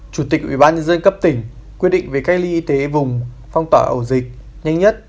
chủ tịch ubnd cấp tỉnh quyết định về cách ly y tế vùng phong tỏa ổ dịch nhanh nhất